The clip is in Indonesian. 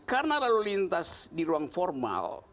karena lalu lintas di ruang formal